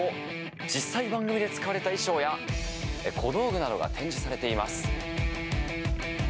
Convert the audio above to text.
実際番組で使われた衣装や小道具などが展示されています。